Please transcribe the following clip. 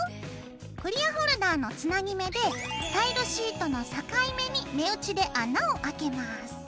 クリアホルダーのつなぎ目でタイルシートの境目に目打ちで穴をあけます。